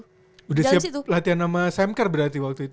jalan disitu udah siap latihan sama samcar berarti waktu itu